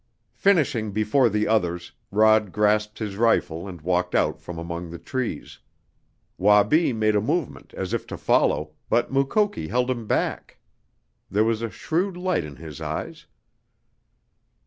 Finishing before the others, Rod grasped his rifle and walked out from among the trees. Wabi made a movement as if to follow, but Mukoki held him back. There was a shrewd light in his eyes.